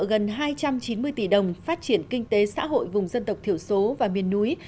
gần hai trăm chín mươi tỷ đồng phát triển kinh tế xã hội vùng dân tộc thiểu số và miền núi